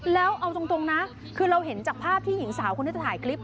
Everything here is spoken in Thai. แล้วเอาตรงนะคือเราเห็นจากภาพที่หญิงสาวคนนี้จะถ่ายคลิป